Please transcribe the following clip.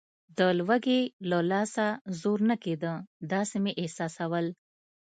د لوږې له لاسه زور نه کېده، داسې مې احساسول.